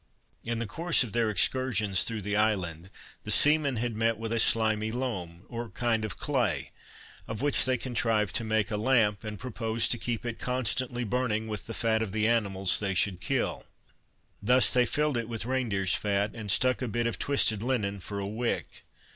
In the course of their excursions through the island, the seamen had met with a slimy loam, or kind of clay, of which they contrived to make a lamp, and proposed to keep it constantly burning with the fat of the animals they should kill. Thus they filled it with rein deer's fat, and stuck a bit of twisted linen for a wick.